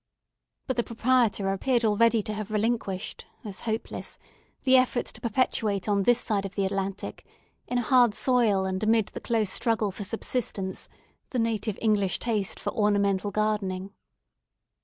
But the proprietor appeared already to have relinquished as hopeless, the effort to perpetuate on this side of the Atlantic, in a hard soil, and amid the close struggle for subsistence, the native English taste for ornamental gardening.